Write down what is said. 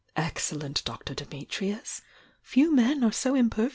Excellent Dr. Dimitrius! F«. men are so imperviou.